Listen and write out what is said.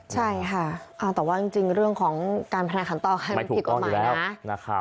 ใช่ค่ะแต่ว่าจริงเรื่องของการพนันขันต่อกันมันผิดกฎหมายนะ